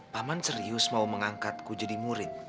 paman serius mau mengangkatku jadi murid